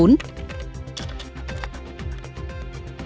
bạn có ý tưởng